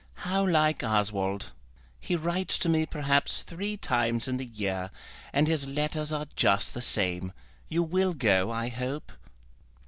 "How like Oswald. He writes to me perhaps three times in the year, and his letters are just the same. You will go I hope?"